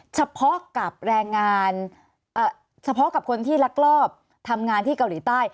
เฉพาะกับแรงงานเฉพาะกับคนที่ลักลอบทำงานที่เกาหลีใต้